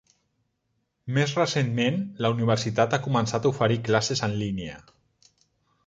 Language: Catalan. Més recentment, la universitat ha començat a oferir classes en línia.